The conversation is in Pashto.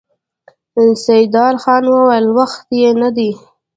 سيدال خان وويل: وخت يې نه دی؟